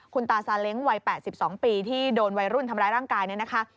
คุณตาซาเล้งวัย๘๒ปีที่โดนวัยรุ่นทำร้ายร่างกายเนี่ยนะคะ